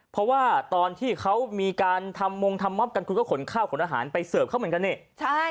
เพราะว่าตอนที่เขามีการทำมงทำมอบกันคุณก็ขนข้าวขนอาหารไปเสิร์ฟเขาเหมือนกันนี่ใช่